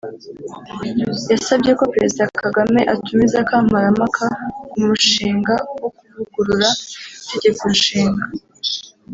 yasabye ko Perezida Kagame atumiza Kamparampaka k’umushinga wo kuvugurura itegekonshinga